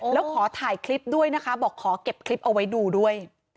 แล้วขอถ่ายคลิปด้วยนะคะบอกขอเก็บคลิปเอาไว้ดูด้วย